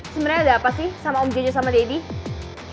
sebenarnya ada apa sih sama om jojo sama daddy